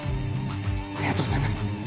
ありがとうございます。